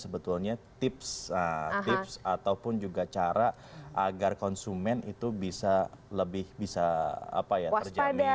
sebetulnya tips tips ataupun juga cara agar konsumen itu bisa lebih bisa terjamin